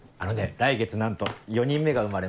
来月なんと４人目が生まれます。